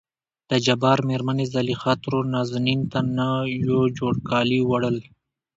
دجبار مېرمنې زليخا ترور نازنين ته نه يو جوړ کالي وړل.